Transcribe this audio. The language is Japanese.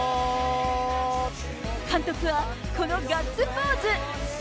監督はこのガッツポーズ。